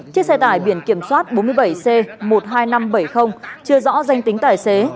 chiếc xe tải biển kiểm soát bốn mươi bảy c một mươi hai nghìn năm trăm bảy mươi chưa rõ danh tính tài xế